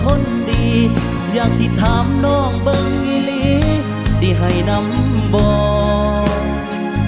คนดีอยากสิถามน้องเบิ้งอีหลีสิให้นำบอก